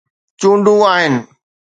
چونڊون آهن.